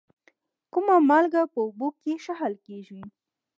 کومه مالګه په اوبو کې ښه حل کیږي؟